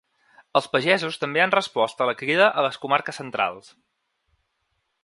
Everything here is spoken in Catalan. Els pagesos també han respost a la crida a les comarques centrals.